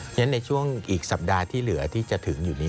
ฉะนั้นในช่วงอีกสัปดาห์ที่เหลือที่จะถึงอยู่นี้